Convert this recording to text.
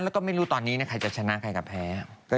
แล้วก็ไม่รู้ตอนนี้ใครจะชนะใครกับแพ้